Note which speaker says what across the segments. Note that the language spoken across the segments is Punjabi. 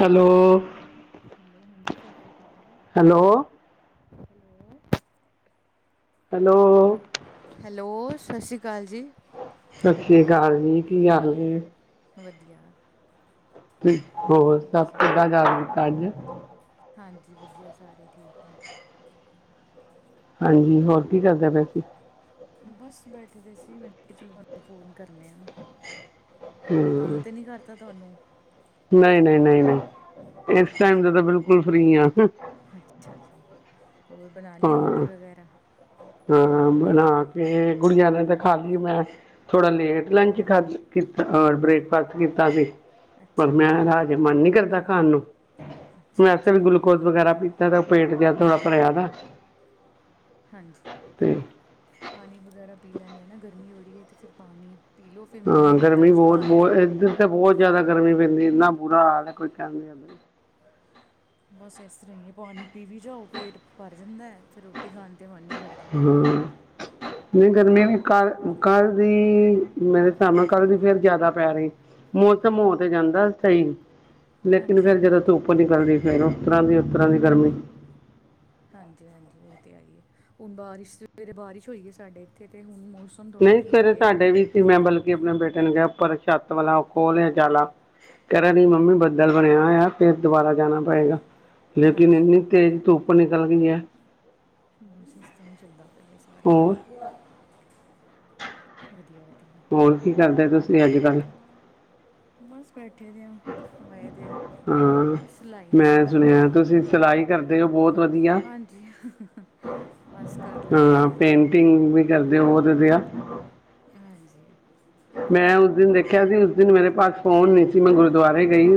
Speaker 1: ਹੈਲੋ!
Speaker 2: ਹੈਲੋ ਹਾਂਜੀ, ਸਤਿ ਸ਼੍ਰੀ ਅਕਾਲ।
Speaker 1: Hello,
Speaker 2: hello, hello
Speaker 1: hello!
Speaker 2: Hello, ਸਤਿ ਸ਼੍ਰੀ ਅਕਾਲ ਜੀ।
Speaker 1: ਸਤਿ ਸ਼੍ਰੀ ਅਕਾਲ ਜੀ, ਕੀ ਹਾਲ ਜੇ?
Speaker 2: ਵਧੀਆ।
Speaker 1: ਤੇ ਹੋਰ ਸਭ ਕਿਦਾ, ਘਰ ਪਰਿਵਾਰ ਚ?
Speaker 2: ਹਾਂਜੀ ਵਧੀਆ, ਸਾਰੇ ਠੀਕ ਨੇ।
Speaker 1: ਹਾਂਜੀ, ਹੋਰ ਕੀ ਕਰਦੇ ਪਏ ਸੀ?
Speaker 2: ਬਸ ਬੈਠੇ ਦੇ ਸੀ, ਮੈ ਕਿਹਾ ਚਲੋ ਤੁਹਾਨੂੰ ਫੋਨ ਕਰਨੇ ਆ। ਹੋਰ ਤੰਗ
Speaker 1: ਹੂੰ,
Speaker 2: ਤੇ ਨਹੀਂ ਕਰਤਾ ਤੁਹਾਨੂੰ?
Speaker 1: ਨਹੀਂ, ਨਹੀਂ, ਨਹੀਂ, ਨਹੀਂ। ਇਸ ਟਾਈਮ
Speaker 2: ਹਾਂਜੀ
Speaker 1: ਚ ਤਾਂ ਬਿਲਕੁਲ ਫ੍ਰਰੀ ਆ।
Speaker 2: ਅੱਛਾ ਜੀ। ਹੋਰ ਬਨਾ ਲਈ ਰੋਟੀ
Speaker 1: ਹਾਂ,
Speaker 2: ਵਗੈਰਾ?
Speaker 1: ਹਾਂ ਬਣਾ ਕੇ, ਗੁੜੀਆਂ ਨੇ ਤੇ ਖਾ ਲਈ ਮੈਂ, ਥੋੜਾ ਲੇਟ ਲੰਚ ਖਾ ਕੀਤਾ ਆਂ ਬ੍ਰੇਕਫਾਸਟ ਕੀਤਾ ਜੇ, ਪਰ
Speaker 2: ਅੱਛਾ
Speaker 1: ਮੈਂ ਰਾਜ, ਫਿਰ ਮਨ ਨੀ ਕਰਦਾ ਖਾਣ ਨੂੰ।
Speaker 2: ਅੱਛਾ
Speaker 1: ਵੈਸੇ
Speaker 2: ਅੱਛਾ
Speaker 1: ਵੀ ਗਲੂਕੋਜ ਵਗੈਰਾ ਪੀਤਾ ਤਾ, ਉਹ ਪੇਟ ਜਿਹਾ ਥੋੜਾ ਭਰਿਆ ਵਾ।
Speaker 2: ਹਾਂਜੀ।
Speaker 1: ਤੇ,
Speaker 2: ਪਾਣੀ ਵਗੈਰਾ ਪੀ ਲੈਂਦੇ ਆ ਨਾ, ਗਰਮੀ ਵੜੀ ਹੈ ਤੇ ਫਿਰ ਪਾਣੀ ਪੀ ਲਓ ਫਿਰ ਮਨ ਨਹੀਂ ਕਰਦਾ ਕੁਛ ਖਾਣ ਤੇ।
Speaker 1: ਇੱਥੇ ਬਹੁਤ ਜ਼ਿਆਦਾ ਗਰਮੀ ਪੈਂਦੀ, ਇੰਨਾ ਬੁਰਾ ਹਾਲ ਏ, ਕੋਈ ਕਹਿਣ ਦੀ ਹੱਦ ਨੀ।
Speaker 2: ਬਸ ਇਸ ਤਰ੍ਹਾਂ ਹੀ ਹੈ, ਪਾਣੀ ਪੀ ਵੀ ਜਾਓ, ਪੇਟ ਭਰ ਜਾਂਦਾ, ਫਿਰ ਰੋਟੀ ਖਾਣ ਤੇ ਮਨ ਨੀ ਕਰਦਾ।
Speaker 1: ਹੂੰ, ਨਹੀਂ ਗਰਮੀਆਂ ਵੀ ਕਾਰ-ਕਾਰ ਵੀ ਮੇਰੇ ਸਾਹਬ ਕੱਲ ਦੀ ਫੇਰ ਜਿਆਦਾ ਪੈ ਰਹੀ। ਮੋਸਮ-ਮੋਸਮ ਹੋ ਤੇ ਜਾਂਦਾ ਸਹੀ। ਲੇਕਿਨ
Speaker 2: ਹਾਂਜੀ
Speaker 1: ਫੇਰ ਜਦੋਂ ਧੁੱਪ ਨਿਕਲਦੀ ਫੇਰ ਉਸ ਤਰ੍ਹਾਂ ਦੀ, ਉਸ ਤਰ੍ਹਾਂ ਦੀ ਗਰਮੀ।
Speaker 2: ਹਾਂਜੀ-ਹਾਂਜੀ ਉਹ ਤੇ ਹੈਗੀਏ ਉਹ ਬਾਰਿਸ਼ ਸਵੇਰੇ ਬਾਰਿਸ਼ ਹੋਈ ਗਈ ਸਾਡੇ ਇੱਥੇ ਤੇ ਹੁਣ ਮੋਸੱਮ
Speaker 1: ਨਈ ਸਵੇਰੇ ਸਾਡੇ ਵੀ ਸੀ ਮੈਂ ਬਲਕਿ ਆਪਣੇ ਬੇਟੇ ਨੂੰ ਕਿਹਾ ਉੱਪਰ ਛੱਤ ਵਾਲਾ ਉਹ ਖੋਲ ਲਿਆ ਜਾਲਾ ਕੇਰਿਆ ਨੀ ਮੰਮੀ ਬੱਦਲ ਬਣਿਆ ਹੋਇਆ ਫਿਰ ਦੁਬਾਰਾ ਜਾਣਾ ਪਏਗਾ। ਲੇਕਿਨ
Speaker 2: ਹਾਂਜੀ
Speaker 1: ਇੰਨੀ ਤੇਜ਼ ਧੁੱਪ ਨਿਕਲ ਗਈ ਹੈ।
Speaker 2: ਬਸ ਇਸ ਤਰ੍ਹਾਂ ਹੀ ਚੱਲਦਾ ਪਿਆ ਜੀ ਸਾਰਾ
Speaker 1: ਹੋਰ
Speaker 2: ਜਗ੍ਹਾ, ਵਧੀਆ-ਵਧੀਆ
Speaker 1: ਹੋਰ ਕੀ ਕਰਦੇ ਤੁਸੀਂ ਅੱਜ-ਕੱਲ੍ਹ?
Speaker 2: ਬਸ ਬੈਠੇ ਦੇ ਆ, ਆਏ ਦੇ ਆ।
Speaker 1: ਹਾਂ
Speaker 2: ਸਿਲਾਈ
Speaker 1: ਮੈਂ
Speaker 2: ਸਿਖਾਣੀ
Speaker 1: ਸੁਣਿਆ ਤੁਸੀਂ ਸਿਲਾਈ ਕਰਦੇ ਹੋ ਬਹੁਤ ਵਧੀਆ
Speaker 2: ਹਾਂਜੀ ਬਸ ਕਰ ਲੈਂਦੇ
Speaker 1: ਹਾਂ-
Speaker 2: ਥੋੜ੍ਹੀ ਥੋੜ੍ਹੀ
Speaker 1: ਪੇਂਟਿੰਗ ਵੀ ਕਰਦੇ ਹੋ ਬਹੁਤ ਵਧੀਆਂ
Speaker 2: ਹਾਂਜੀ।
Speaker 1: ਮੈਂ ਉਸ ਦਿਨ ਦੇਖਿਆ ਸੀ ਉਸ ਦਿਨ ਮੇਰੇ ਪਾਸ ਫੋਨ ਨੀ ਸੀ ਮੈਂ ਗੁਰਦੁਆਰੇ ਗਈ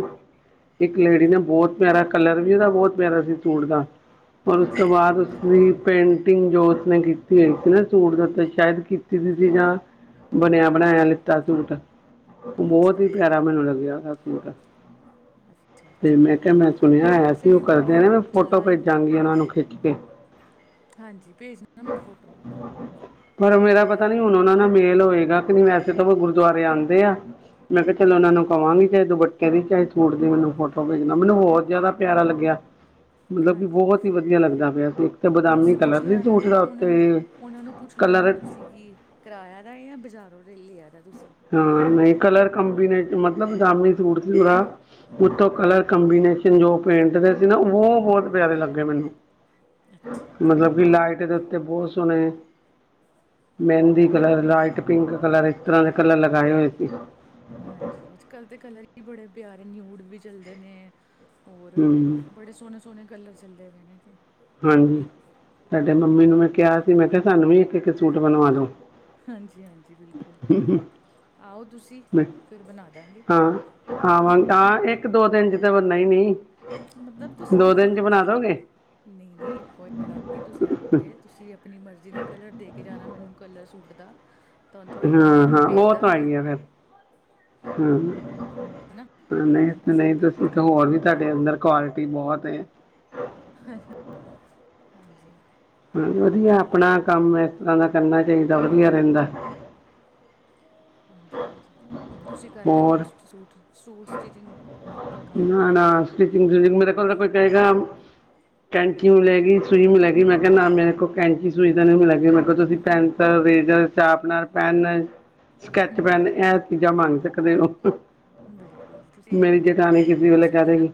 Speaker 1: ਇੱਕ ਲੇਡੀ ਨੇ ਬਹੁਤ ਪਿਆਰਾ ਕਲਰ ਵੀ, ਉਦਾ ਬਹੁਤ ਪਿਆਰਾ ਸੀ ਸੂਟ ਦਾ ਉਸ ਤੋਂ
Speaker 2: ਹਾਂਜੀ
Speaker 1: ਬਾਅਦ ਉਸਦੀ ਪੇਟਿੰਗ ਜੋ ਉਸਨੇ ਕੀਤੀ ਹੋਈ ਸੀ ਨਾ ਸੂਟ ਦਾ ਤਾਂ ਸ਼ਾਇਦ ਕੀਤੀ ਸੀ ਜਾਂ, ਬਣਿਆ ਬਣਾਇਆ ਲਿੱਤਾ ਸੂਟ, ਬਹੁਤ
Speaker 2: ਅੱਛਾ
Speaker 1: ਹੀ ਪਿਆਰਾ ਮੈਨੂੰ ਲੱਗਿਆ ਉਦਾ ਸੂਟ।
Speaker 2: ਅੱਛਾ
Speaker 1: ਤੇ
Speaker 2: ਅੱਛਾ
Speaker 1: ਮੈਂ ਕਿਹਾ ਮੈਂ
Speaker 2: ਅੱਜ
Speaker 1: ਸੁਣਿਆ
Speaker 2: ਕੱਲ੍ਹ
Speaker 1: ਹੋਇਆ
Speaker 2: ਵੈਸੇ
Speaker 1: ਸੀ ਉਹ
Speaker 2: ਵੀ
Speaker 1: ਕਰਦੇ
Speaker 2: ਬੜੇ
Speaker 1: ਨੇ ਮੈਂ ਫੋਟੋ
Speaker 2: ਚੱਲਦਾ ਹੀ ਪਿਆ
Speaker 1: ਭੇਜਾਂਗੀ
Speaker 2: ਹੈ
Speaker 1: ਇਹਨਾਂ ਨੂੰ ਖਿੱਚ ਕੇ।
Speaker 2: ਹਾਂਜੀ! ਭੇਜ ਦੇਣਾ ਮੈਨੂੰ ਫੋਟੋ।
Speaker 1: ਪਰ ਮੇਰਾ ਪਤਾ ਨੀ ਹੁਣ ਉਹਨਾਂ ਨਾਲ ਮੇਲ ਹੋਏਗਾ ਕਿ ਨਈ ਵੈਸੇ ਤਾਂ ਉਹ ਗੁਰਦੁਆਰੇ ਆਉਂਦੇ ਆ ਮੈਂ ਕਿਹਾ ਚਲੋ
Speaker 2: ਦੇਖਾਂਗੇ।
Speaker 1: ਉਹਨਾਂ ਨੂੰ ਕਵਾਂਗੀ ਚਾਹੇ ਦੁੱਪਟੇ ਦੀ, ਚਾਹੇ ਸੂਟ ਦੀ ਮੈਨੂੰ ਫੋਟੋ ਭੇਜਣਾ ਮੈਨੂੰ ਬਹੁਤ ਜ਼ਿਆਦਾ ਪਿਆਰਾ ਲੱਗਿਆ।
Speaker 2: ਪਿਆਰਾ ਲੱਗਿਆ।
Speaker 1: ਮਤਲਬ ਕਿ ਬਹੁਤ ਹੀ ਵਧੀਆ ਲੱਗਦਾ ਪਿਆ ਸੀ ਇੱਕ ਤਾਂ ਬਦਾਮੀ ਕਲਰ ਸੀ ਸੂਟ ਦਾ ਉੱਤੇ
Speaker 2: ਉਨਾਂ ਨੂੰ ਪੁੱਛ ਲੈਣਾ ਕਿ
Speaker 1: ਕਲਰ
Speaker 2: ਤੁਸੀਂ ਕੀ ਕਿਰਾਇਆ ਦਾ ਜਾਂ ਬਾਜ਼ਾਰੋਂ ਲਿਆ ਦਾ ਤੁਸੀਂ।
Speaker 1: ਹਾਂ! ਨਈ ਕਲਰ ਕੰਬੀਨੇਸ਼ਨ ਮਤਲਬ ਬਦਾਮੀ ਸੂਟ ਸੀ ਉਦਾਂ। ਉਤੋਂ ਕਲਰ ਕੰਬੀਨੇਸ਼ਨ ਜੋ ਪੇਂਟ ਦੇ ਸੀ ਨਾ ਉਹ ਬਹੁਤ ਪਿਆਰੇ ਲੱਗੇ ਮੈਨੂੰ।
Speaker 2: ਅੱਛਾ।
Speaker 1: ਹੂੰ ਮਤਲਬ ਕਿ ਲਾਈਟ ਦੇ ਉੱਤੇ ਬਹੁਤ ਸੋਹਣੇ, ਮਹਿੰਦੀ ਕਲਰ, ਲਾਈਟ ਪਿੰਕ ਕਲਰ ਇਸ ਤਰ੍ਹਾਂ ਦੇ ਕਲਰ ਲਗਾਏ ਹੋਏ ਸੀ।
Speaker 2: ਹਾਂਜੀ- ਅਜ-ਕੱਲ੍ਹ ਦੇ ਕਲਰ ਹੀ ਬੜੇ ਪਿਆਰੇ ਨਿਊਡ ਵੀ ਚਲਦੇ ਨੇ, ਹੋਰ
Speaker 1: ਹੂੰ
Speaker 2: ਬੜੇ ਸੋਹਣੇ-ਸੋਹਣੇ ਕਲਰ ਚੱਲਦੇ ਪਏ ਨੇ ਇਹ ਤੇ
Speaker 1: ਹਾਂਜੀ, ਸਾਡੇ ਮੰਮੀ ਨੂੰ ਮੈਂ ਕਿਹਾ ਸੀ ਮੈਂ ਕਿਹਾ ਸਾਨੂੰ ਵੀ ਇੱਕ, ਇੱਕ ਸੂਟ ਬਣਵਾ ਦੋ।
Speaker 2: ਹਾਂਜੀ-ਹਾਂਜੀ ਬਿਲਕੁਲ, ਆਓ ਤੁਸੀਂ ਫਿਰ ਬਣਾ ਦਾਂਗੇ
Speaker 1: ਹਾਂ-ਹਾਂ ਵਾਂ ਹਾਂ ਇੱਕ-ਦੋ ਦਿਨ 'ਚ ਤੇ ਬਣਨਾ ਨੀ।
Speaker 2: ਮਤਲਬ ਤੁਸੀਂ ਨਈ-ਨਈ ਕੋਈ ਗੱਲ ਨੀ ਤੁਸੀਂ ਆਓਗੇ ਤੁਸੀਂ ਆਪਣੀ ਮਰਜ਼ੀ ਦਾ ਕਲਰ ਦੇ ਕੇ ਜਾਣਾ ਮੈਨੂੰ। ਕਲਰ ਸੂਟ ਦਾ ਤੁਹਾਨੂੰ ਥੋੜੇ ਦਿਨ ਬਾਅਦ ਮੈਂ
Speaker 1: ਹਾਂ-ਹਾਂ
Speaker 2: ਭੇਜ
Speaker 1: ਉਹ ਤਾਂ
Speaker 2: ਦਾਂਗੀ
Speaker 1: ਆਈ ਆ ਫੇਰ, ਹੂੰ।
Speaker 2: ਹੈਨਾ ਇਸ
Speaker 1: ਨਈ-ਨਈ
Speaker 2: ਤਰ੍ਹਾਂ ਠੀਕ
Speaker 1: ਤੁਸੀਂ ਕਹੋ
Speaker 2: ਰਹੇਗਾ
Speaker 1: ਹੋਰ ਵੀ ਤੁਹਾਡੇ ਅੰਦਰ ਕੁਆਲਿਟੀ ਬਹੁਤ ਐ।
Speaker 2: ਹਾਂਜੀ
Speaker 1: ਹਾਂਜੀ-ਵਧੀਆ ਆਪਣਾ ਕੰਮ ਇਸ ਤਰ੍ਹਾਂ ਦਾ ਕਰਨਾ ਚਾਹੀਦਾ ਵਧੀਆ ਰਹਿੰਦਾ।
Speaker 2: ਹਾਂਜੀ-ਹਾਂਜੀ ਤੁਸੀਂ ਕਰ ਲੈਂਦੇ ਹੋ
Speaker 1: ਹੋਰ
Speaker 2: ਸੂਟ-ਸੂਟ ਸਟਿਚਿੰਗ ਦਾ ਕੰਮ
Speaker 1: ਨਾ ਨਾ ਸਟੀਿਚਿੰਗ ਮੇਰੇ ਕੋਲ ਕੋਈ ਕਹੇਗਾ [unintelligible] ਕੈਂਚੀ ਵੀ ਲੈਗੀ ਸੂਈ ਵੀ ਲੈਗੀ ਮੈਂ ਕਿਹਾ ਨਾ ਮੇਰੇ ਕੋ ਕੈਂਚੀ ਸੂਈ ਤਾਂ ਨਹੀਂ ਮਿਲੇਗੀ ਮੈਂ ਕੋਲ ਤੁਸੀਂ pen eraser sharpener pen sketch pen ਐਹ
Speaker 2: ਹੂੰ
Speaker 1: ਚੀਜ਼ਾਂ ਮੰਗ ਸਕਦੇ ਹੋ
Speaker 2: ਬਿਲਕੁਲ ਤੁਸੀਂ
Speaker 1: ਮੇਰੀ ਜਿ
Speaker 2: ਤੁਹਾਡੀ
Speaker 1: ਨਹੀਂ [unintelligible] ਕਿਸੇ ਵੇਲੇ ਕਹਿ
Speaker 2: ਦੂਸਰੀ ਹੈ ਨਾ
Speaker 1: ਦੇਗੀ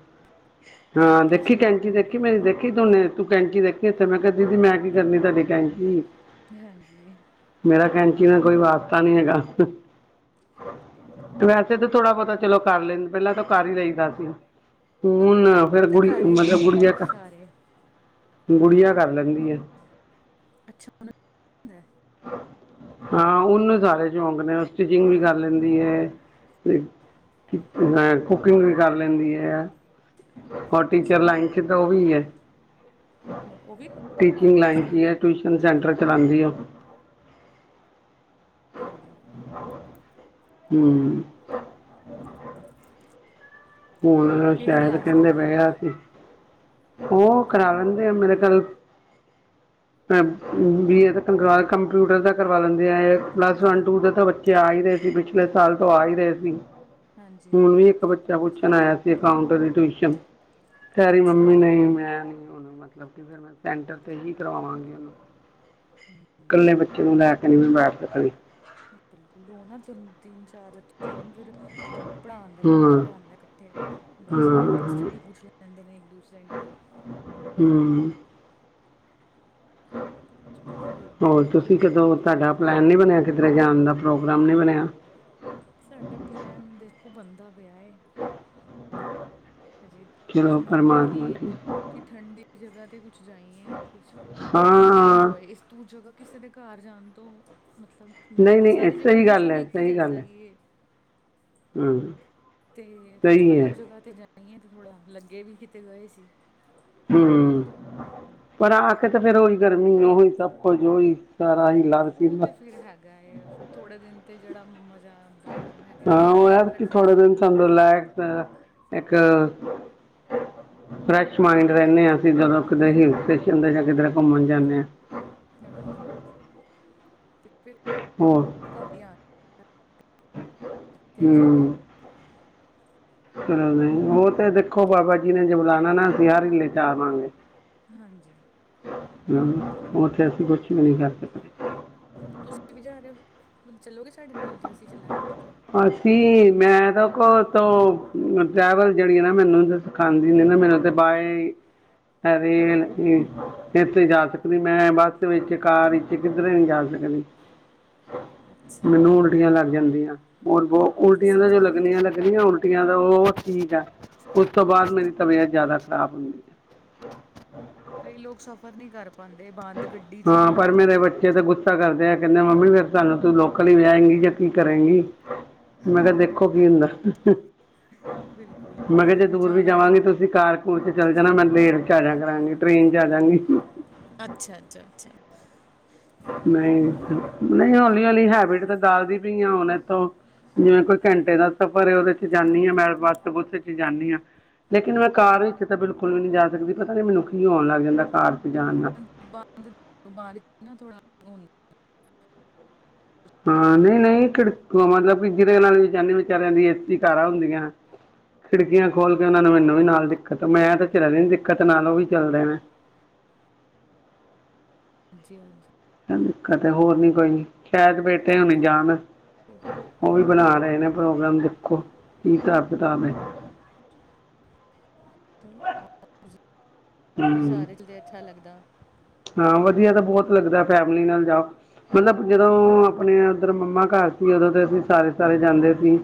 Speaker 2: ਤੁਹਾਡੀ
Speaker 1: ਹਾਂ ਦੇਖੀ
Speaker 2: ਟੀਚਿੰਗ
Speaker 1: ਕੈ ਕੈਂਚੀ
Speaker 2: ਲਾਈਨ
Speaker 1: ਦੇਖੀ ਮੇਰੀ ਦੇਖੀ ਤੂਨੇ ਤੂੰ ਕੈਂਚੀ ਦੇਖੀ ਇੱਥੇ ਮੈਂ ਕਿਹਾ ਦੀਦੀ ਮੈਂ ਕੀ ਕਰਨੀ ਤੁਹਾਡੀ ਕੈਂਚੀ
Speaker 2: ਹੈ। ਹਾਂਜੀ
Speaker 1: ਮੇਰਾ ਕੈਂਚੀ ਨਾ ਕੋਈ
Speaker 2: ਬਿਲਕੁਲ
Speaker 1: ਵਾਸਤਾ ਨੀ ਹੈਗਾ
Speaker 2: ਹਾਂਜੀ ਹਾਂਜੀ
Speaker 1: ਤੇ ਵੈਸੇ ਤਾਂ ਥੋੜਾ ਬਹੁਤਾ ਚਲੋ ਕਰ ਲੈਣ ਪਹਿਲਾਂ ਤਾਂ ਕਰ ਹੀ ਲਈਦਾ ਸੀ
Speaker 2: ਬਸ
Speaker 1: ਹੁਣ
Speaker 2: ਥੋੜ੍ਹਾ ਬਹੁਤ
Speaker 1: ਫੇਰ
Speaker 2: ਤਾਂ
Speaker 1: ਗੁੜੀ
Speaker 2: ਕਰ ਹੀ
Speaker 1: ਮਤਲਬ
Speaker 2: ਲੈਂਦੇ ਆ
Speaker 1: ਗੁੜੀਆਂ ਖ
Speaker 2: ਸਾਰੇ
Speaker 1: ਗੁੜੀਆਂ ਕਰ ਲੈਂਦੀ ਐ
Speaker 2: ਅੱਛਾ ਉਹਨਾਂ ਦਾ
Speaker 1: ਹਾਂ ਉਹਨੂੰ ਸਾਰੇ ਸ਼ੌਂਕ ਨੇ ਸਟਿਚਿੰਗ ਵੀ ਕਰ ਲੈਂਦੀ ਐ ਤੇ ਕੁਕਿੰਗ ਵੀ ਕਰ ਲੈਂਦੀ ਐ ਔਰ ਟੀਚਰ ਲਾਈਨ ਸਿੱ [unintelligible] ਉਹ ਵੀ ਹੈ
Speaker 2: ਮਤਲਬ ਉਹ ਵੀ ਘਰ
Speaker 1: ਟੀਚਿੰਗ ਲਾਈਨ ਚ ਹੀ
Speaker 2: ਸਕੂਲ
Speaker 1: ਹੈ ਟਿਊਸ਼ਨ ਸੈਂਟਰ ਚਲਾਂਦੀ ਐ ਉਹ
Speaker 2: ਬਦੇ [unintelligible]
Speaker 1: ਹਾਂ [inaudible] ਹਮ ਹੁਣ
Speaker 2: ਕਿਹੜੀ
Speaker 1: ਸ਼ਾਇਦ
Speaker 2: ਕਲਾਸ
Speaker 1: ਕਹਿੰਦੇ
Speaker 2: ਤੱਕ
Speaker 1: ਪਏ ਅਸੀ ਉਹ ਕਰਾ ਲੈਂਦੇ ਆ ਮੇਰੇ ਕਲ
Speaker 2: [inaudible]
Speaker 1: [unintelligible] ਬੀਏ ਦਾ [unintelligible] ਕੰਪਿਊਟਰ ਦਾ ਕਰਵਾ ਲੈਂਦੇ ਆ ਪਲੱਸ ਵਨ ਟੂ ਦਾ ਤਾਂ ਬੱ ਚੇ ਆ ਹੀ ਰਹੇ ਸੀ ਪਿਛਲੇ ਸਾਲ ਤੋਂ ਆ ਹੀ ਰਹੇ ਸੀ
Speaker 2: ਹਾਂਜੀ
Speaker 1: ਸ਼ਨ ਆਇਆ ਸੀ ਅਕਾਊਂਟਰ ਵਾਲੀ ਟਿਊਸ਼ਨ ਕਹਿ ਰੀ
Speaker 2: ਅੱਛਾ
Speaker 1: ਮੰਮੀ ਨਹੀਂ ਨੀ ਮੈਂ ਉਹਨੂੰ ਮਤਲਬ ਕਿ ਫ ਮੈਂ [unintelligible] ਸੈਂਟਰ ਤੇ ਹੀ ਕਰਵਾਵਾਂਗੀ
Speaker 2: ਹਮ [unintelligible]
Speaker 1: ਕਲੇ ਬੱਚੇ ਨੂੰ ਲੈਕੇ ਨੀ ਮੈਂ ਬੈਠ ਸਕਦੀ
Speaker 2: ਬਿਲਕੁਲ ਓਹ ਨਾ ਤਿੰਨ [unintelligible] ਤਿੰਨ ਚਾਰ ਕੀਤੀ ਹੋਣ ਫਿਰ ਪ ਪੜ੍ਹਾਉਣ ਦਾ ਵੀ
Speaker 1: ਹਾਂ
Speaker 2: ਮਜ਼ਾ ਆਂਦਾ ਇਕੱਠੇ
Speaker 1: ਹਾਂ
Speaker 2: ਬੱਚੇ ਆਪਸ ਚ
Speaker 1: ਹਾਂ,
Speaker 2: ਵੀ ਪੁੱਛ ਲੈ ਦੇ ਨੇ ਇੱਕ ਦੂਸਰੇ ਨੂੰ ਵੀ
Speaker 1: ਹਮ
Speaker 2: ਚਲ ਕੋਈ ਨੀ
Speaker 1: ਹੋਰ
Speaker 2: ਇਹਨੂੰ ਬੋਲੋ
Speaker 1: ਤੁਸੀਂ ਕਦੋਂ ਤੁਹਾਡਾ ਪਲੈਨ ਨੀ ਬਣਿਆ ਕਿਧਰੇ ਜਾਣ ਦਾ ਪ੍ਰੋਗਰਾਮ ਨੀ ਬਣਿਆ
Speaker 2: ਸਾਡਾ ਪਲੈਨ ਦੇਖੋ ਬੰਦਾ ਪਿਆ ਐ ਹਜੇ ਕੁਛ
Speaker 1: ਚਲੋ
Speaker 2: ਮਾਨੇ
Speaker 1: ਪਰਮਾਤਮਾ
Speaker 2: ਕੀ
Speaker 1: ਠੀਕ
Speaker 2: ਕਿ ਠੰਡੀ ਜਗਾ ਤੇ ਕੁਛ ਜਾਈਏ ਕੁਛ ਚੇਂਜ
Speaker 1: ਹਾਂ
Speaker 2: ਹੋਏ ਇਸ ਦੂੰ ਜਗ੍ਹਾ ਕਿਸੇ ਦੇ ਘਰ ਜਾਣ ਤੋਂ ਮਤਲਬ ਹੁਣ
Speaker 1: ਨਹੀਂ
Speaker 2: ਤਾਂ
Speaker 1: ਨਹੀਂ ਇਹ
Speaker 2: ਸਾਰੀ ਜਗ੍ਹਾ
Speaker 1: ਸਹੀ ਗੱਲ
Speaker 2: ਮੌਸਮ
Speaker 1: ਹੈ
Speaker 2: ਇੱਕ ਹੀ ਜੈਸਾ ਹੀ ਹੈ
Speaker 1: ਹਮ
Speaker 2: ਤੇ ਕੁਛ ਅਲੱਗ ਜਗ੍ਹਾ ਤੇ ਜਾਈਏ ਤੇ ਥੋੜ੍ਹਾ ਲੱਗੇ ਵੀ ਕਿਤੇ ਗਏ ਸੀ
Speaker 1: ਹਮ ਪਰ ਆ ਕੇ ਤੇ ਫੇਰ ਉਹੀ ਗਰਮੀ ਉਹੀ ਸਭ ਕੁਝ ਉਹੀ ਸਾਰਾ ਹੀ ਲੱਗ ਸੀ
Speaker 2: ਉਹ ਤੇ ਫੇਰ ਹੈਗਾ ਐ ਥੋੜੇ ਦਿਨ ਤੇ ਜਿਹੜਾ ਮਜ਼ਾ ਬਾਹਰ ਹੈਗਾ
Speaker 1: ਹਾਂ ਉਹ ਹੈ ਕਿ
Speaker 2: ਠੰਡੇ
Speaker 1: ਥੋੜੇ
Speaker 2: ਚ
Speaker 1: ਦਿਨ ਸਾਨੂੰ ਰਿਲੈਕਸ ਲਾਇਕ ਇੱਕ ਸ ਮਾਈਂਡ
Speaker 2: ਹਾਂਜੀ,
Speaker 1: ਰਹਿੰਦੇ ਹਾਂ ਅਸੀਂ ਜਦੋਂ ਕਿਤੇ
Speaker 2: ਹਾਂਜੀ
Speaker 1: ਹਲ
Speaker 2: ਬਿਲਕੁਲ
Speaker 1: ਸਟੇਸ਼ਨ ਦੇ ਜਾਂ ਕਿਧਰ ਘੁੰਮਣ ਜਾਂਦੇ ਹਾਂ
Speaker 2: ਹਾਂਜੀ ਹਾਂਜੀ ਤੇ ਫਿਰ [unintelligible]
Speaker 1: ਹੋਰ
Speaker 2: ਤ ਘਰ ਹੀ ਆ ਜਿੱਥੇ ਵੀ [unintelligible]
Speaker 1: ਚ ਨਹੀਂ ਉਹ ਤੇ ਦੇਖੋ ਬਾਬਾ ਜੀ ਨੇ ਜ ਬਲਾਣਾ ਨਾ ਅਸੀਂ ਹਰ ਹੀਲੇ ਚ ਆਵਾਂਗੇ
Speaker 2: ਹਾਂਜੀ
Speaker 1: ਹਮ ਉੱਥੇ ਅਸੀਂ ਕੁਛ ਵੀ ਨਹੀਂ ਕਰ ਸਕਦੇ
Speaker 2: ਤੁਸੀਂ ਵੀ ਜਾ ਰਹੇ ਹੋ ਹੁਣ ਚੱਲੋਗੇ ਸਾਡੇ ਨਾਲ ਜ ਅਸੀਂ ਚੱਲਾਂਗੇ ਕਿਤੇ
Speaker 1: ਅਸੀਂ ਮੈਂ ਤਾਂ ਕੋ ਤੋਂ ਟਰੈਵਲ ਜਿਹੜੀ ਨਾ ਮੈਨੂੰ ਖਾਂਦੀ ਨੇ ਨਾ ਮੈਨੂੰ ਤੇ ਬਾਏ ਹੈਰੇ ਇੱਥੇ ਜਾ ਸਕਦੀ ਮੈਂ ਬੱਸ ਵਿੱਚ ਕਾਰ ਵਿੱਚ ਕਿੱਧਰੇ ਨੀ ਜਾ ਸਕਦੀ।
Speaker 2: ਅੱਛਾ।
Speaker 1: ਮੈਨੂੰ ਉਲਟੀਆਂ ਲੱਗ ਜਾਂਦੀਆਂ। ਹੋਰ ਬ
Speaker 2: ਮਤਲਬ
Speaker 1: ਉਲਟੀਆਂ ਦਾ ਜੋ
Speaker 2: ਸਫ਼ਰ ਨਹੀਂ
Speaker 1: ਲੱਗਣੀਆਂ
Speaker 2: ਤੁਸੀਂ ਕਰ
Speaker 1: ਲੱਗਣੀਆਂ
Speaker 2: ਪਾਉਂਦੇ ਹੋ
Speaker 1: ਉਲਟੀਆਂ ਦਾ
Speaker 2: ਨਾ।
Speaker 1: ਉਹ ਠੀਕ ਆ ਉਸ ਤੋਂ ਬਾਅਦ ਮੇਰੀ ਤਬੀਅਤ ਜ਼ਿਆਦਾ ਖ਼ਰਾਬ ਹੁੰਦੀ।
Speaker 2: ਕਈ ਲੋਕ ਸਫ਼ਰ ਨਹੀਂ ਕਰ ਪਾ ਬਾਂਦੇ
Speaker 1: ਹਾਂ ਪਰਮੇਰੇ ਬੇ ਤਾਂ ਗੁੱਸਾ ਕਰਦੇ ਆ ਕਹਿੰਦੇ ਮੰਮੀ ਫੇਰ ਸਾਨੂੰ ਤੂੰ ਲੋਕਲ ਹੀ ਵਿਆਏਂਗੀ ਜਾਂ ਕੀ ਕਰੇਗੀ। ਮੈਂ ਕਿਹਾ ਦੇਖੋ ਕੀ ਹੁੰਦਾ।
Speaker 2: ਬਿਲਕੁਲ
Speaker 1: ਮੈਂ ਕਿਹਾ
Speaker 2: ਫਿਰ
Speaker 1: ਜੇ ਦੂਰ ਵੀ
Speaker 2: ਜਾਣਾ
Speaker 1: ਜਾਵਾਂਗੇ ਤੁਸੀਂ ਕਾਰ ਸਕੂਲ 'ਚ ਚੱਲ ਜਾਣਾ ਮੈਂ ਟਰੇਨ 'ਚ ਆ ਜਾਆ ਕਰਾਂਗੀ ਟ੍ਰੇਨ 'ਚ ਆ ਜਾਂਵਗੀ।
Speaker 2: ਅੱਛਾ ਅੱਛਾ ਅੱਛਾ।
Speaker 1: ਨਹੀਂ ਨਹੀਂ ਹੌਲੀ ਹੌਲੀ ਹੈਬਿਟ ਤੇ ਡਾਲਦੀ ਪਈ ਆ ਹੁਣ ਇੱਥੋਂ ਜਿਵੇਂ ਕੋਈ ਘੰਟੇ ਦਾ ਸਫ਼ਰ ਉਹਦੇ ਚ ਜਾਂਦੀ ਹਾਂ ਮੈਂ ਬਸ ਬੂਸ ਚ ਜਾਂਦੀ ਹਾਂ। ਲੇਕਿਨ ਮੈਂ ਕਾਰ ਵਿੱਚ ਤਾਂ ਬਿਲਕੁਲ ਵੀ ਨਹੀਂ ਜਾ ਸਕਦੀ ਪਤਾ ਨੀ ਮੈਨੂੰ ਕੀ ਹੋਣ ਲੱਗ ਜਾਂਦਾ ਕਾਰ ਚ ਜਾਣ ਨਾਲ।
Speaker 2: ਬੰਦ ਬਾਅਦ ਨਾ ਥੋੜਾ ਹ [unintelligible]
Speaker 1: ਹਾਂ ਨਹੀਂ ਨਹੀਂ ਘੜਕੂ ਮਤਲਬ ਕਿ ਜਿਹਦੇ ਨਾਲ ਵੀ ਜਾਨੀ ਵਿਚਾਰਿਆਂ ਦੀ ਏਸੀ ਕਾਰਾਂ ਹੁੰਦੀਆਂ ਖਿੜਕੀਆਂ ਖੋਲ ਕੇ ਉਹਨਾਂ ਨੂੰ ਮੈਨੂੰ ਵੀ ਨਾਲ ਦਿੱਕਤ ਮੈਂ ਤਾਂ ਝਲਦੀ ਦਿੱਕਤ ਨਾਲ ਉਹ ਵੀ ਚੱਲਦੇ ਨੇ
Speaker 2: ਹਾਂਜੀ ਹਾਂਜੀ।
Speaker 1: ਐ ਦਿਕਤ ਏ ਹੋਰ ਨੀ ਕੋਈ ਸ਼ਾਇਦ ਬੇਟੇ ਹੋਣੇ ਜਾਣ। ਉਹ ਵੀ ਬਣਾ ਰਹੇ ਨੇ ਪ੍ਰੋਗਰਾਮ ਦੇਖੋ ਕੀ ਹਿਸਾਬ ਕਿਤਾਬ ਏ
Speaker 2: ਚਲੋ
Speaker 1: ਹੂੰ
Speaker 2: ਰ ਤਾਂ ਅੱਛਾ ਲੱਗਦਾ [unintelligible]
Speaker 1: ਹਾਂ ਵਧੀਆ ਤਾਂ ਬੋਤ ਲੱਗਦਾ ਫੈਮਿਲੀ ਨਾਲ ਜਾਓ। ਮਤਲਬ ਜਦੋਂ ਆਪਣੇ ਉੱਧਰ ਮੰਮਾ ਘਰ ਸੀ। ਉਦੋਂ ਤਾਂ ਅਸੀਂ ਸਾਰੇ ਸਾਰੇ ਜਾਂਦੇ ਸੀ।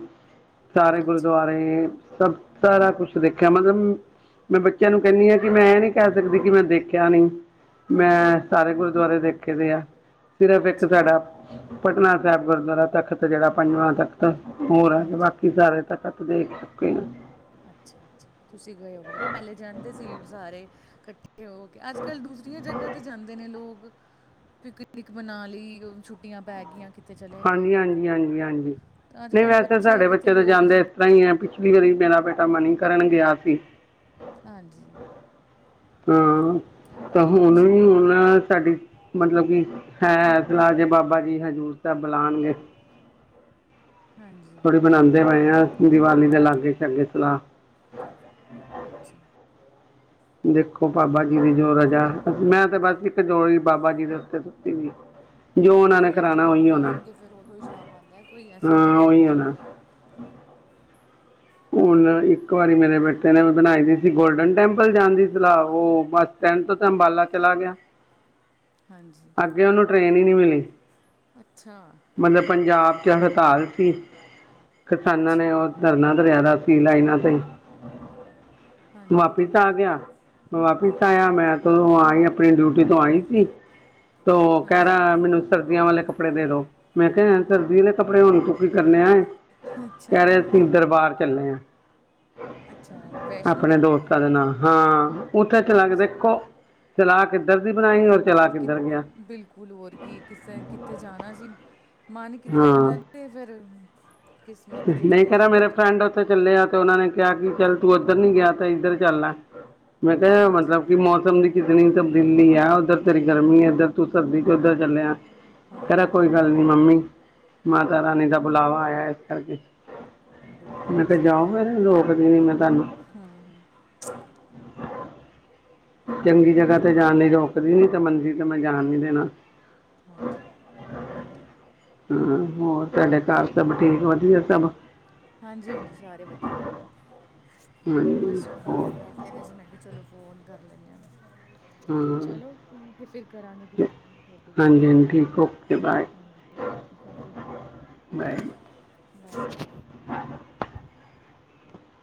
Speaker 1: ਸਾਰੇ
Speaker 2: ਅੱਛਾ
Speaker 1: ਗੁਰਦੁਆਰੇ ਸਭ ਸਾਰਾ ਕੁਛ ਦੇਖਿਆ। ਮਤਲਬ ਮੈਂ ਬੱਚਿਆਂ ਨੂੰ ਕਹਿੰਦੀ ਹਾਂ ਕਿ ਮੈਂ ਇਹ ਨੀ ਕਹਿ ਸਕਦੀ ਕਿ ਮੈਂ ਦੇਖਿਆ ਨਹੀਂ।
Speaker 2: ਹਾਂਜੀ
Speaker 1: ਮੈਂ ਸਾਰੇ ਗੁਰਦੁਆਰੇ ਦੇਖੇ ਦੇ ਆ। ਸਿਰਫ ਇੱਕ
Speaker 2: ਅੱਛਾ
Speaker 1: ਸਾਡਾ ਪਟਨਾ ਸਾਬ ਗੁਰਦੁਆਰਾ ਤਖਤ ਜਿਹੜਾ ਪੰਜਵਾਂ ਤਖਤ ਹੋਰ ਆ ਕੇ
Speaker 2: ਹਾਂਜੀ
Speaker 1: ਬਾਕੀ ਸਾਰੇ ਤਖਤ ਦੇਖ ਚੁੱਕੇ ਆ।
Speaker 2: ਅੱਛਾ ਅੱਛਾ ਤੁਸੀਂ ਗਏ ਹੋਵਗੇ ਨਾ ਪੈਲੇ ਜਾਂਦੇ ਸੀ ਸਾਰੇ ਇਕੱਠੇ ਹੋ ਕੇ ਅੱਜ ਕੱਲ ਦੂਸਰੇ ਕਿੰਨੀਆਂ ਜਗ੍ਹਾ ਤੇ ਜਾਂਦੇ ਨੇ ਲੋਕ ਪਿਕਨਿਕ ਮਨਾ ਲਈ ਛੁੱਟੀਆਂ ਪੈ ਗਈਆਂ। ਕਿਤੇ ਚਲੇ ਗਏ
Speaker 1: ਹਾਂਜੀ
Speaker 2: ਹੋਰ
Speaker 1: ਹਾਂਜੀ ਹਾਂਜੀ ਹਾਂਜੀ
Speaker 2: ਅੱਜ
Speaker 1: ਨਹੀਂ
Speaker 2: ਕੱਲ
Speaker 1: ਵੈਸੇ
Speaker 2: ਬੱਚੇ
Speaker 1: ਸਾਡੇ
Speaker 2: ਕਿਤੇ
Speaker 1: ਤਾਂ
Speaker 2: ਹੋਰ ਹੀ
Speaker 1: ਇਸ
Speaker 2: ਜਾਂਦੇ।
Speaker 1: ਹੀ ਹੈ ਪਿਛਲੀ ਵਾਰੀ ਮੇਰਾ ਬੇਟਾ ਮਨੀ ਕਰਨ ਗਿਆ ਸੀ।
Speaker 2: ਹਾਂਜੀ।
Speaker 1: ਹਾਂ ਤਾਂ ਹੁਣ
Speaker 2: ਅੱਛਾ
Speaker 1: ਹੀ ਹੁਣ ਸਾਡੀ ਮਤਲਬ ਕਿ ਹੈ ਸਲਾਹ ਜੇ ਬਾਬਾ ਜੀ ਹਜ਼ੂਰ ਸਾਬ ਬੁਲਾਣਗੇ।
Speaker 2: ਹਾਂਜੀ
Speaker 1: ਥੋੜ੍ਹੀ ਬਨਾਦੇ ਪਏ ਹ ਦੀਵਾਲੀ ਦੇ ਲਾਗੇ ਸ਼ਾਗੇ ਸਲਾਹ
Speaker 2: ਅੱਛਾ
Speaker 1: ਦੇਖੋ ਬਾਬਾ ਜੀ ਦੀ ਜੋ ਰਜਾ, ਮੈਂ ਤੇ ਬਸ ਇੱਕ ਡੋਰੀ ਬਾਬਾ ਜੀ ਦੇ ੳਤੇ ਤੇ ਵੀ
Speaker 2: ਉਹ ਤੇ ਹੈ ਜਦੋਂ ਬੁਲਾਉਣਗੇ ਫੇਰ ਉਦੋਂ ਹੀ ਜਾ ਪਾੰਦਾ ਕੋਈ ਇਸ ਤਰ੍ਹਾਂ ਤੇ
Speaker 1: ਹਾਂ
Speaker 2: ਕੋਈ ਨਹੀਂ
Speaker 1: ਉਹੀ ਹੋਣਾ
Speaker 2: ਜਾਦਾ
Speaker 1: ਹੁਣ ਇੱਕ ਵਾਰੀ ਮੇਰੇ ਬੇਟੇ ਨੇ ਬਣਾਈ ਦੀ ਸੀ ਗੋਲਡਨ ਟੈਂਪਲ ਜਾਣ ਦੀ ਸਲਾਹ ਉਹ ਬਸ ਟੈਟ ਤੇ ਅੰਬਾਲਾ ਚਲਾ ਗਿਆ
Speaker 2: ਹਾਂਜੀ
Speaker 1: ਅੱਗੇ ਉਹਨੂੰ ਟ੍ਰੇਨ ਈ ਨੀ ਮਿਲੀ
Speaker 2: ਅੱਛਾ
Speaker 1: ਮਤਲਬ ਪੰਜਾਬ ਚ ਹੜਤਾਲ ਸੀ, ਕਿਸਾਨਾਂ ਨੇ
Speaker 2: ਅੱਛਾ
Speaker 1: ਉਹ ਧਰਨਾ ਧਰੇਆ ਦਾ ਸੀ ਲਾਈਨਾਂ ਤੇ
Speaker 2: ਹਾਂਜੀ
Speaker 1: ਵਾਪਿਸ ਆ ਗਿਆ ਵਾਪਿਸ ਆਇਆ ਮੈਂ ਤਾਂ ਆਈ ਆਪਣੀ ਡਿਊਟੀ ਤੋਂ ਆਈ ਸੀ ਤੋ ਕਹਿ
Speaker 2: ਹਾਂਜੀ
Speaker 1: ਰਿਹਾ ਮੈਨੂੰ ਸਰਦੀਆਂ ਵਾਲੇ ਕੱਪੜੇ ਕੱਪੜੇ ਦੇ ਦੋ ਮੈਂ ਕਿਹਾ ਸਰਦੀ ਦੇ ਕੱਪੜੇ ਹੁਣ ਤੂ ਕੀ ਕਰਨੇ ਆ
Speaker 2: ਅੱਛਾ
Speaker 1: ਕਹਿ ਰਿਹਾ ਸੀਂ ਦਰਬਾਰ ਚੱਲੇ ਆ
Speaker 2: ਅੱਛਾ ਵੈਸ਼ਨੋ
Speaker 1: ਆਪਣੇ ਦੋਸਤ
Speaker 2: ਦਰਬਾਰ
Speaker 1: ਚਲਨਾ ਹਾਂ ਉੱਥੇ ਚਲਾਗੇਂ
Speaker 2: ਅੱਛਾ
Speaker 1: ਦੇਖੋ ਸਲਾਹ ਕਿੱਧਰ ਦੀ ਬਣਾਈ ਔਰ ਚਲਾ
Speaker 2: ਕਿ
Speaker 1: ਕਿੱਧਰ ਗਿਆ
Speaker 2: ਬਿਲਕੁਲ ਹੋਰ ਕੀ ਕਿਸੇ ਕਿਥੇ ਜਾਣਾ ਸੀ ਮਨ ਕਿੱਧਰੇ
Speaker 1: ਹਾਂ
Speaker 2: ਹੁੰਦਾ ਤੇ ਫੇਰ
Speaker 1: ਨਹੀਂ ਕਰਾ ਮੇਰੇ ਫਰੈਂਡ ਔਥੇ ਚੱਲਿਆ ਤੇ ਉਹਨਾ ਨੇ ਕਿਹਾ ਕਿ ਚੱਲ ਤੂੰ ਉੱਧਰ ਨੀ ਗਿਆ ਤੇ ਇੱਧਰ ਚੱਲ ਲੈ ਮੈਂ ਕਿਹਾ
Speaker 2: ਹਾਂਜੀ
Speaker 1: ਮਤਲਬ ਕਿ ਮੌਸਮ ਦੀ ਕਿਤਨੀ ਤਬਦੀਲੀ ਆ ਉੱਧਰ ਤੇਰੀ ਗਰਮੀ ਇੱਧਰ ਤੂੰ ਸਰਦੀ ਚ ਉੱਧਰ ਚੱਲਿਆ ਕਹ ਰਿਆ
Speaker 2: ਹਾਂ
Speaker 1: ਕੋਈ ਗੱਲ ਨੀ
Speaker 2: ਬਿਲਕੁਲ
Speaker 1: ਮੰਮੀ ਮਾਤਾ ਰਾਣੀ ਦਾ ਬੁਲਾਵਾ ਆਇਆ ਇਸ ਕਰਕੇ
Speaker 2: ਬਿਲਕੁਲ
Speaker 1: ਮੈਂ ਕਿਹਾ ਜਾਓ ਫੇਰ ਰੋਕਦੀ ਨੀ ਮੈਂ ਤੁਹਾਨੂੰ
Speaker 2: ਹਮ ਹਮ
Speaker 1: ਚੰਗੀ ਜਗ੍ਹਾ ਤੇ ਜਾਣ ਲਈ ਮੈਂ ਰੋਕਦੀ ਨੀ ਤੇ ਮੰਨਦੀ ਤੇ ਮੈਂ ਜਾਣ ਨੀ ਦੇਣਾ
Speaker 2: ਹਾਂਜੀ
Speaker 1: ਹਾਂ ਹੋਰ ਤੁਹਾਡੇ ਘਰ ਸਭ ਠੀਕ ਵਧੀਆ ਸਭ
Speaker 2: ਹਾਂਜੀ ਹਾਂਜੀ ਸਾਰੇ ਵਧੀਆ ਏ
Speaker 1: ਹਾਂਜੀ
Speaker 2: ਬਸ
Speaker 1: ਹੋਰ
Speaker 2: ਬ ਕਹਿੰਦੇ ਸੀ ਮੈਂ ਕਿਹਾ ਚਲੋ ਫੋਨ ਕਰ ਲੈਂਨੇ ਆ
Speaker 1: ਹਾਂ
Speaker 2: ਚਲੋ ਠੀਕ ਏ ਫਿਰ ਕਰਾਂਗੇ
Speaker 1: ਹਾਂਜੀ
Speaker 2: ਕਿਸੇ ਦਿਨ ਫਿਰ ਦੁਬਾਰਾ
Speaker 1: ਹਾਂਜੀ ਠੀਕ ਓਕੇ ਬਾਏ
Speaker 2: ਹਾਂਜੀ ਓਕੇ ਸਤਿ ਸ਼੍ਰੀ ਅਕਾਲ
Speaker 1: ਬਾਏ
Speaker 2: ਬਾਏ ਬਾਏ